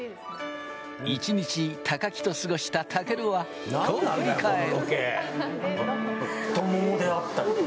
一日、高木と過ごした、たけるはこう振り返る。